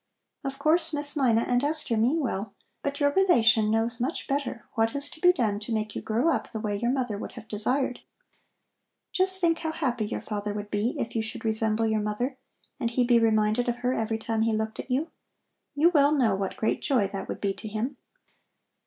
Of course, Miss Mina and Esther mean well, but your relation knows much better what is to be done to make you grow up the way your mother would have desired. Just think how happy your father would be if you should resemble your mother and he be reminded of her every time he looked at you. You well know what great joy that would be to him."